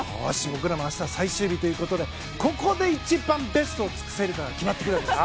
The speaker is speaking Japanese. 僕らも明日最終日ということでここで一番ベストを尽くせるかが決まってくるんです。